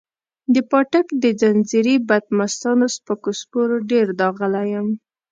د پاټک د ځنځیري بدمستانو سپکو سپورو ډېر داغلی یم.